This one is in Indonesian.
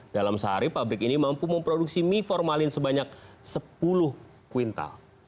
dalam sehari pabrik ini mampu memproduksi mie formalin sebanyak sepuluh kuintal